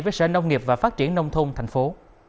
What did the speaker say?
với sở nông nghiệp và phát triển nông thôn thành phố